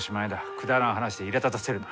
くだらん話でいらだたせるな。